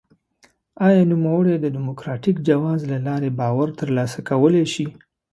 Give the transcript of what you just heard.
آیا نوموړی د ډیموکراټیک جواز له لارې باور ترلاسه کولای شي؟